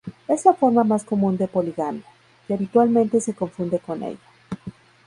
Es la forma más común de poligamia, y habitualmente se confunde con ella.